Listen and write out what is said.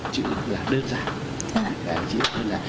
chữ là đơn giản